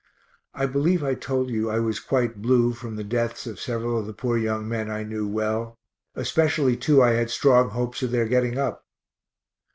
I believe I told you I was quite blue from the deaths of several of the poor young men I knew well, especially two I had strong hopes of their getting up.